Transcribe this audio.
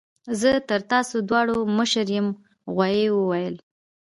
زه تر تاسو دواړو مشر یم غوايي وویل.